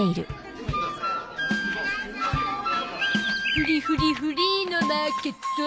フリフリフリーのマーケット！